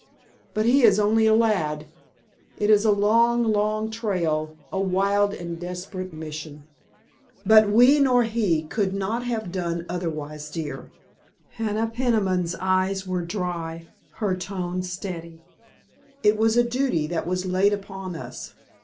But he is only a lad—it is a long, long trail—a wild and desperate mission——" "But we, nor he, could not have done otherwise, dear." Hannah Peniman's eyes were dry, her tone steady. "It was a duty that was laid upon us.